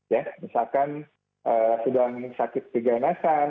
ya misalkan sedang sakit keganasan